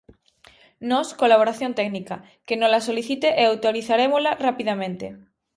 Nós, colaboración técnica, que nola solicite e autorizarémola rapidamente.